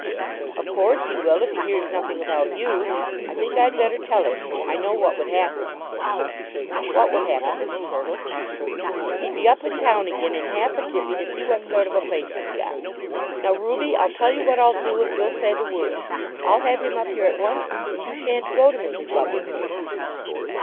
"Of course he will if he hears nothing about you. I think I'd better tell him. I know what would happen." "What would happen, Mrs. Hurtle?" "He'd be up in town again in half a jiffey to see what sort of a place you'd got. Now, Ruby, I'll tell you what I'll do, if you'll say the word. I'll have him up here at once and you shan't go to Mrs. Buggins'."